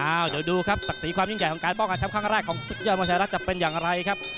เอ้าเดี๋ยวดูครับศักดิ์สีความยิ่งใหญ่ของการป้องกันครั้งแรกของสุศิษยนต์มัธิรัฐจะเป็นอย่างไรครับ